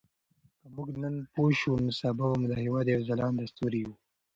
که موږ نن پوه شو نو سبا به مو هېواد یو ځلانده ستوری وي.